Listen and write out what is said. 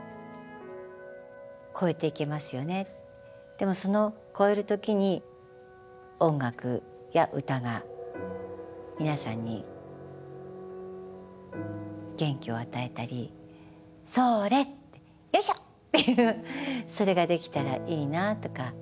でもその越える時に音楽や歌が皆さんに元気を与えたり「それ！よいしょ！」っていうそれができたらいいなとか。